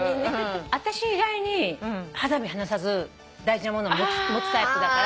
私意外に肌身離さず大事なものを持つタイプだから。